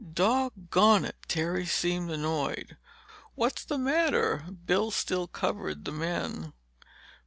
"Dog gone it!" Terry seemed annoyed. "What's the matter?" Bill still covered the men.